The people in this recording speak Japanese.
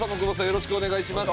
よろしくお願いします。